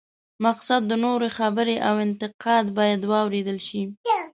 مقصد د نورو خبرې او انتقاد باید واورېدل شي.